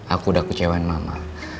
aku udah kecewain mama